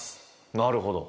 なるほど。